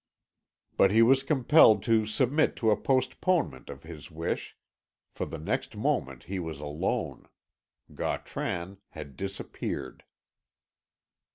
But he was compelled to submit to a postponement of his wish, for the next moment he was alone. Gautran had disappeared.